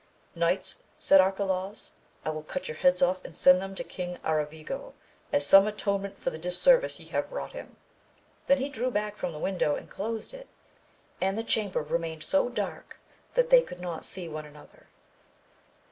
Knights, said Arcalaus, I will cut your heads oflF and send them to King Aravigo as some atonement for the disservice ye have wrought him ! then he drew back from the window and closed it, and the chamber remained so dark that they could AMADIS OF GAUL. 223 not see one another.